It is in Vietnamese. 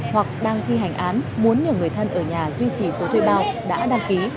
hoặc đang thi hành án muốn nhờ người thân ở nhà duy trì số thuê bao đã đăng ký